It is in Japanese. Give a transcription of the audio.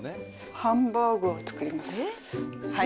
ハンバーグを作ります。